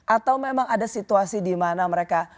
atau memang ada situasi di mana mereka